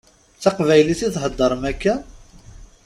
D taqbaylit i theddṛem akka?